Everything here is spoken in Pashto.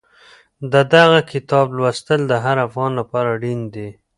د دغه کتاب لوستل د هر افغان لپاره اړین دي.